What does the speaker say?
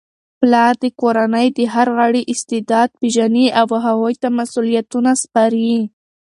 پلار د کورنی د هر غړي استعداد پیژني او هغوی ته مسؤلیتونه سپاري.